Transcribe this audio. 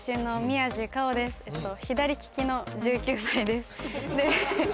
左利きの１９歳ですで